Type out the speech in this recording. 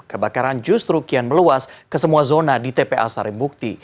kebakaran justru kian meluas ke semua zona di tpa sarimbukti